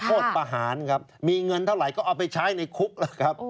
โคตรประหารมีเงินเท่าไรก็เอาไปใช้ในคุก